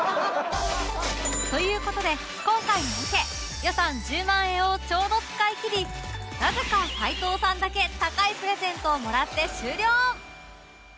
という事で今回のロケ予算１０万円をちょうど使い切りなぜか齊藤さんだけ高いプレゼントをもらって終了